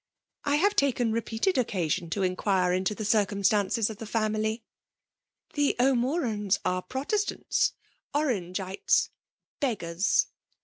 ' I have' taken repeated occasion to inquire into the circumstances of the family. The O'Mo rans are Protestants — Orangeites — ^beggan !